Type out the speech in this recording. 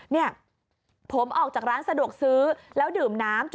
เนี่ยผมออกจากร้านสะดวกซื้อแล้วดื่มน้ำ